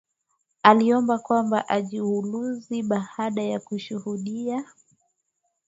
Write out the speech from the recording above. ameomba kwamba ajiuluzu baada ya kushuhudia